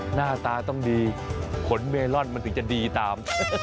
หน้าตาต้องดีขนเมลอนมันถึงจะดีตาม